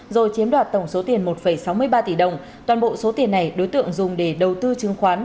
rồi chiếm đoạt tổng số tiền một sáu mươi ba tỷ đồng toàn bộ số tiền này đối tượng dùng để đầu tư chứng khoán